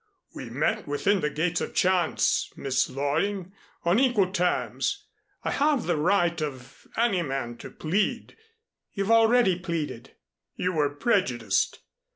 "We met within the Gates of Chance, Miss Loring, on equal terms. I have the right of any man to plead " "You've already pleaded." "You were prejudiced.